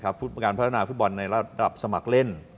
การพัฒนาฟุตบอลในระดับสมัครเล่น